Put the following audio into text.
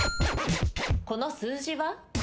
この数字は？